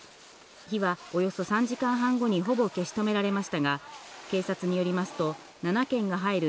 火はおよそ３時間半後にほぼ消し止められましたが、警察によりますと、７軒が入る